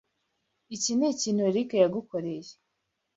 Iki nikintu Eric yagukoreye.